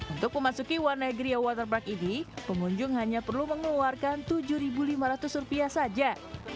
untuk memasuki wanaegriya waterpark ini pengunjung hanya perlu mengeluarkan rp tujuh lima ratus saja